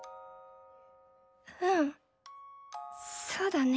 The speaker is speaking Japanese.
うんそうだね。